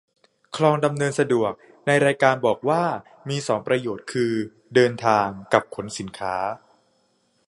คลองดำเนินสะดวก ในรายการบอกว่ามีสองประโยชน์คือ เดินทาง กับ ขนสินค้า